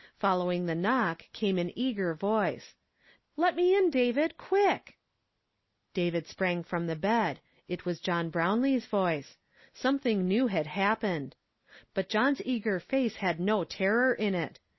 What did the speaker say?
Following the knock, came an eager voice :" Let me in, David, quick !" David sprang from the bed ; it was John Hrownlee's voice ; something new had happened. Hut John's eager face had no terror in it.